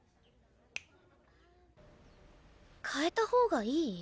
替えた方がいい？